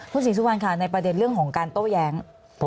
ทุกสิทธิ์สุภัณฑ์ค่ะในประเด็นเรื่องของการโต้แย้ง